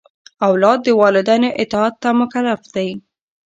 اولاد د والدینو اطاعت ته مکلف دی.